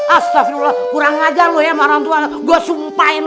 astagfirullah kurang aja lu ya sama orang tua